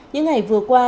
những ngày vừa qua